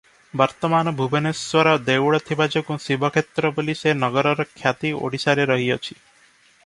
ବର୍ତ୍ତମାନ ଭୁବନେଶ୍ୱର ଦେଉଳ ଥିବାଯୋଗୁଁ ଶିବକ୍ଷେତ୍ର ବୋଲି ସେ ନଗରର ଖ୍ୟାତି ଓଡ଼ିଶାରେ ରହିଅଛି ।